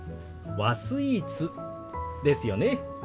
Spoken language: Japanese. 和スイーツですよね。